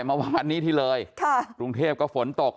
กรุงเทพก็ผลตก